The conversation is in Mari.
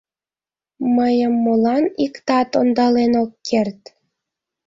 Мыйым молан иктат ондален ок керт?